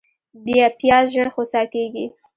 پیاز ژر خوسا کېږي